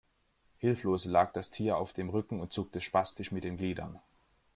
Hilflos lag das Tier auf dem Rücken und zuckte spastisch mit den Gliedern.